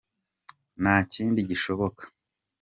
ntakindi gishoboka.